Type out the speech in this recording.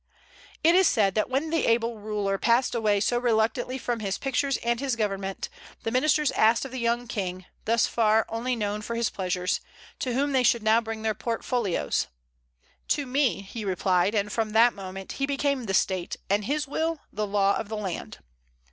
It is said that when that able ruler passed away so reluctantly from his pictures and his government, the ministers asked of the young King, thus far only known for his pleasures, to whom they should now bring their portfolios, "To me," he replied; and from that moment he became the State, and his will the law of the land.